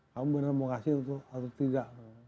kamu beneran mau ngasih itu tuh harus tiga